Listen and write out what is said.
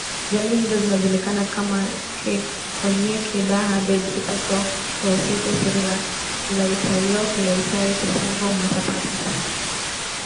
Jamii hizo zinajulikana kama Keekonyokie Daha Besdi Purko Wuasinkishu Siria Laitayiok Loitai Kisonko Matapato